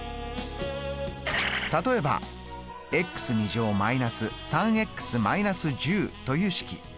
例えば−３−１０という式。